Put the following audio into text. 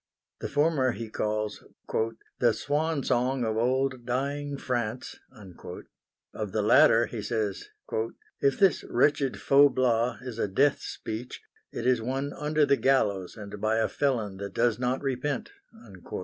The former he calls "the swan song of old dying France"; of the latter he says "if this wretched Faublas is a death speech, it is one under the gallows, and by a felon that does not repent."